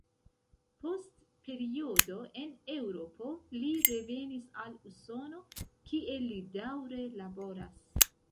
Post periodo en Eŭropo li revenis al Usono, kie li daŭre laboras.